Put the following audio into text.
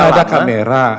pokoknya ada kamera